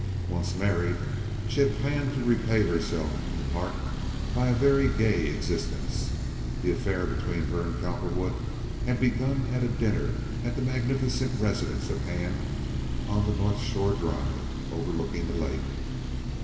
Once married, she had planned to repay herself in part by a very gay existence. The affair between her and Cowperwood had begun at a dinner at the magnificent residence of Hand on the North Shore Drive overlooking the lake.